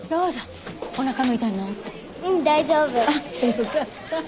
よかった。